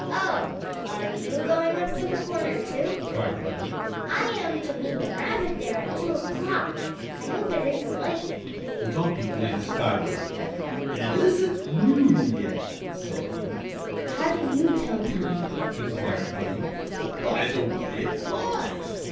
"Oh, are you going up to the Corner, too?" cried Buddie. "I am to meet the Rabbit there at two o'clock. I hope it isn't late." The Donkey glanced skyward. "It isn't noon yet," said he. "How do you tell time?" inquired Buddie. "By the way it flies.